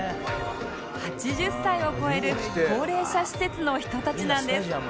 ８０歳を超える高齢者施設の人たちなんです